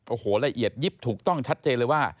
โอ้โหละเอียดยิบถูกต้องชัดเจนเลยว่า